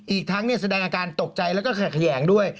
อีกทั้งแสดงอาการตกใจและแขกแข็งด้วย